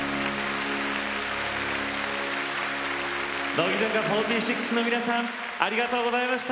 乃木坂４６の皆さんありがとうございました。